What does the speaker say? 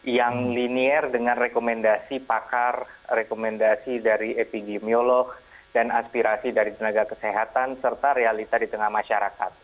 yang linear dengan rekomendasi pakar rekomendasi dari epidemiolog dan aspirasi dari tenaga kesehatan serta realita di tengah masyarakat